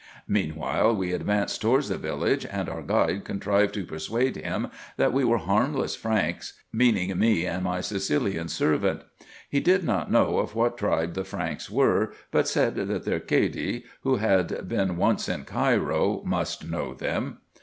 Meanwhile we advanced towards the village, and our guide contrived to persuade him that we were harmless Franks, meaning me and my Sicilian servant. He did not know of what tribe the Franks were, but said that their Cady, who had been once in Cairo, must know them.